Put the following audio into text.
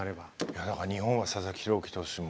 いやだから日本は佐々木朗希投手もね